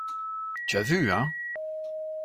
Tu as vu, hein?